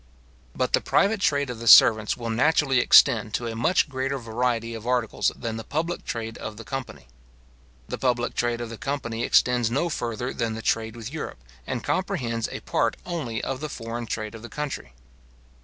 But the private trade of the servants will naturally extend to a much greater variety of articles than the public trade of the company. The public trade of the company extends no further than the trade with Europe, and comprehends a part only of the foreign trade of the country.